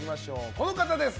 この方です。